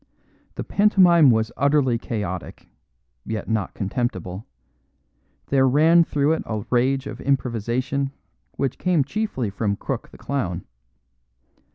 The pantomime was utterly chaotic, yet not contemptible; there ran through it a rage of improvisation which came chiefly from Crook the clown.